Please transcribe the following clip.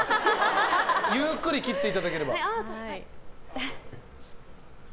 ゆっくり切っていただければ。